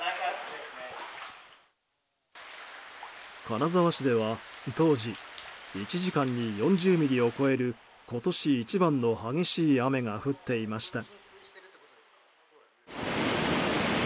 金沢市では、当時１時間に４０ミリを超える今年一番の激しい雨が降っていました。